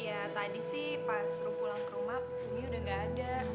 ya tadi sih pas pulang ke rumah dia udah gak ada